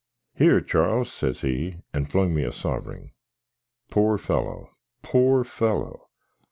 "Here, Charles," says he, and flung me a sovring. Pore fellow! pore fellow!